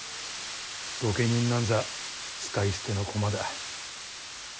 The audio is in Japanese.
御家人なんざ使い捨ての駒だ。